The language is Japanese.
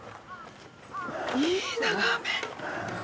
いい眺め！